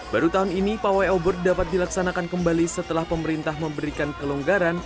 baru tahun ini pawai obor dapat dilaksanakan kembali setelah pemerintah memberikan kelonggaran